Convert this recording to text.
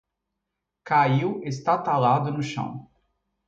Caiu estártalado no chão